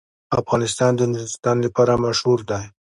افغانستان د نورستان لپاره مشهور دی.